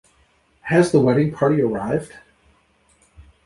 Has the wedding party arrived?